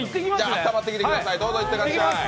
あったまってきてください。